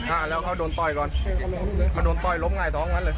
อ่าแล้วเขาโดนต่อยก่อนมันโดนต่อยลบหลายสองวันเลย